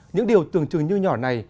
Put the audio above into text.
những điều tường trường như nhỏ này